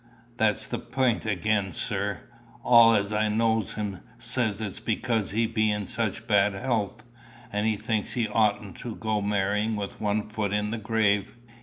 "That's the pint again, sir. All as knows him says it's because he be in such bad health, and he thinks he oughtn't to go marrying with one foot in the grave.